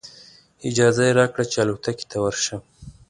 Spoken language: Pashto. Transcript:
اجازه یې راکړه چې الوتکې ته ورشم.